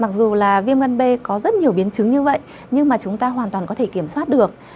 mặc dù là viêm gan b có rất nhiều biến chứng như vậy nhưng mà chúng ta hoàn toàn có thể kiểm soát được